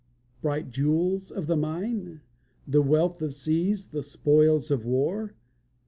Bright jewels of the mine? The wealth of seas, the spoils of war?